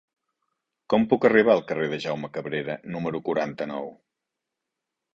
Com puc arribar al carrer de Jaume Cabrera número quaranta-nou?